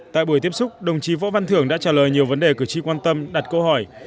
tại buổi tiếp xúc đồng chí võ văn thưởng đã trả lời nhiều vấn đề cử tri quan tâm đặt câu hỏi